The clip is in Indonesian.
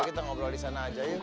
kita ngobrol di sana aja yuk